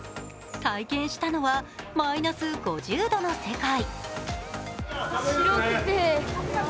体験したのはマイナス５０度の世界。